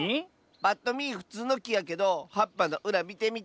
ぱっとみふつうのきやけどはっぱのうらみてみて。